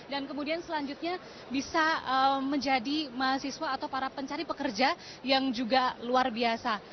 dan kemudian selanjutnya bisa menjadi mahasiswa atau para pencari pekerja yang juga luar biasa